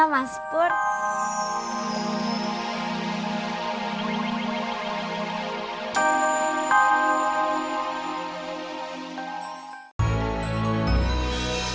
ini mas pur uang belanjaannya